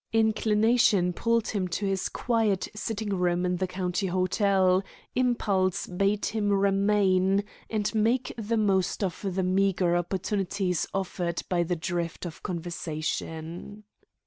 Inclination pulled him to his quiet sitting room in the County Hotel; impulse bade him remain and make the most of the meagre opportunities offered by the drift of conversation.